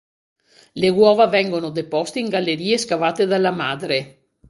Le uova vengono deposte in gallerie scavate dalla madre.